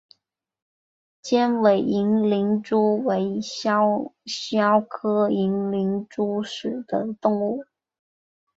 尖尾银鳞蛛为肖峭科银鳞蛛属的动物。